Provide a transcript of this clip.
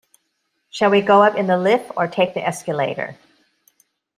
Shall we go up in the lift, or take the escalator?